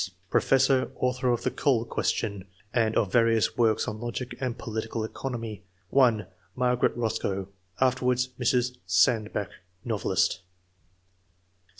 professor, author of the "Coal Question," and of various works on logic and political economy : (i ) Margaret Roscoe, afterwards Mrs. Sandbach, novelist.